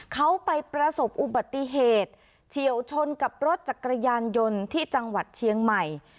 เขาไปประสบอุบัติเหตุเฉียวชนกับรถจักรยานยนต์ที่จังหวัดเชียงใหม่